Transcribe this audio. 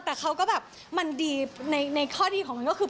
แต่เขาก็แบบมันดีในข้อดีของมันก็คือ